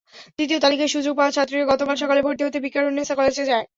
দ্বিতীয় তালিকায় সুযোগ পাওয়া ছাত্রীরা গতকাল সকালে ভর্তি হতে ভিকারুননিসা কলেজে যায়।